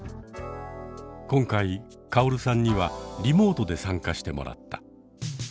今回カオルさんにはリモートで参加してもらった。